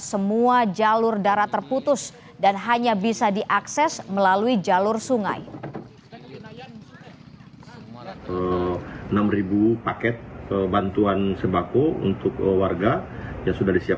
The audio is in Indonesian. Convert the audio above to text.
semua jalur darat terputus dan hanya bisa diakses melalui jalur sungai